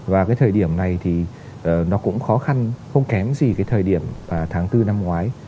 và cái thời điểm này thì nó cũng khó khăn không kém gì cái thời điểm tháng bốn năm ngoái